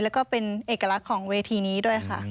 แล้วก็เป็นเอกลักษณ์ของเวทีนี้ด้วยค่ะ